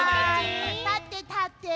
たってたって。